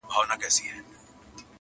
په ښار کي دي مسجد هم میکدې لرې که نه,